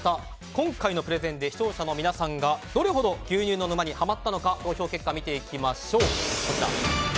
今回のプレゼンで視聴者の皆さんがどれほど牛乳の沼にハマったのか投票結果を見ていきましょう。